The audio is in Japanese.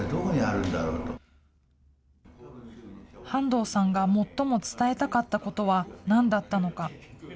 半藤さんが最も伝えたかったことはなんだったのか。